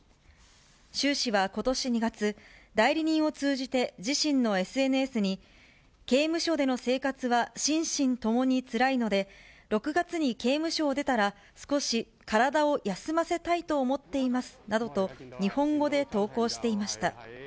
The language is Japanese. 周氏はことし２月、代理人を通じて自身のＳＮＳに、刑務所での生活は心身ともにつらいので、６月に刑務所を出たら、少し体を休ませたいと思っていますなどと、日本語で投稿していました。